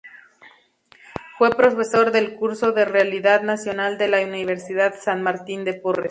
Fue profesor del curso de Realidad Nacional de la Universidad San Martín de Porres.